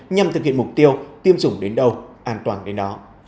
nhằm thực hiện mục tiêu tiêm chủng đến đâu an toàn đến nó